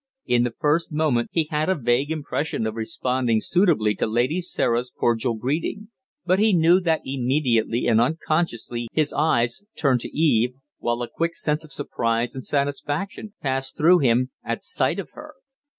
In the first moment he had a vague impression of responding suitably to Lady Sarah's cordial greeting; but he knew that immediately and unconsciously his eyes turned to Eve, while a quick sense of surprise and satisfaction passed through him at sight of her.